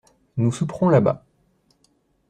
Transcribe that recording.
Nous souperons là-bas.